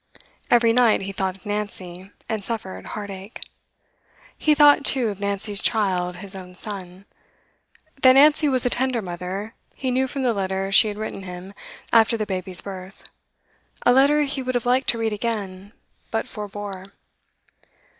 Every night he thought of Nancy, and suffered heartache. He thought, too, of Nancy's child, his own son. That Nancy was a tender mother, he knew from the letter she had written him after the baby's birth, a letter he would have liked to read again, but forbore.